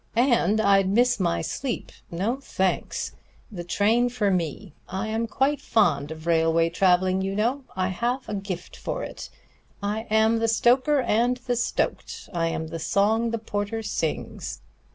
"And I'd miss my sleep. No, thanks. The train for me. I am quite fond of railway traveling, you know; I have a gift for it. I am the stoker and the stoked, I am the song the porter sings."